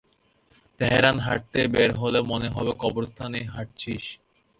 তেহরানে হাঁটতে বের হলে, মনে হবে কবরস্থানে হাঁটছিস।